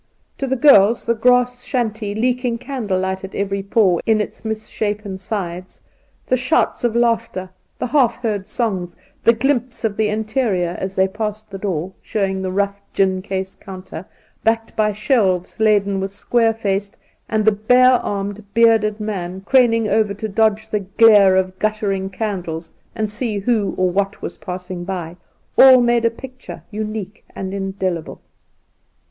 To the girls the grass shanty leaking candle light at every pore in its misshapen sides, the shouts of laughter, the half heard son"gs, the glimpse of the interior as they passed the door, showing the rough gin case counter, backed by shelves laden with ' square face,' and the bare armed, bearded man craning over to dodge the glare of guttering candles and see who or what was passing by — all made a picture unique and indelible.